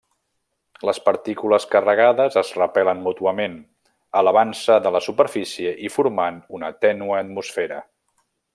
Les partícules carregades es repelen mútuament elevant-se de la superfície i formant una tènue atmosfera.